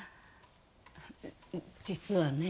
実はね